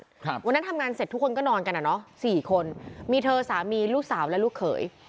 ครับวันนั้นทำงานเสร็จทุกคนก็นอนกันอ่ะเนอะสี่คนมีเธอสามีลูกสาวและลูกเขย